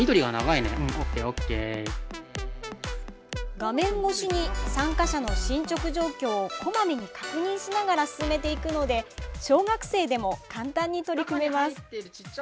画面越しに参加者の進捗状況をこまめに確認しながら進めていくので小学生でも簡単に取り組めます。